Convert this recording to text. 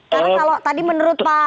karena kalau tadi menurut pak